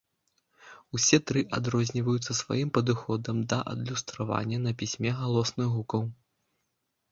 Усе тры адрозніваюцца сваім падыходам да адлюстравання на пісьме галосных гукаў.